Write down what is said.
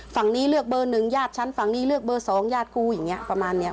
ฝั่งนี้เลือกเบอร์หนึ่งญาติฉันฝั่งนี้เลือกเบอร์สองญาติกูอย่างนี้ประมาณเนี้ย